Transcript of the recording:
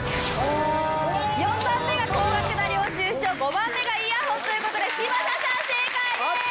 ４番目が高額な領収書５番目がイヤホンという事で嶋佐さん正解です！